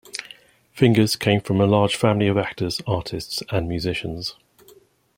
Fingers came from a large family of actors, artists and musicians.